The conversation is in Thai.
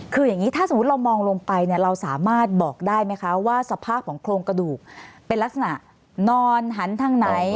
คืออย่างนี้ถ้าสมมุติเรามองลงไปเนี่ยเราสามารถบอกได้ไหมคะว่าสภาพของโครงกระดูกเป็นลักษณะนอนหันทางไหน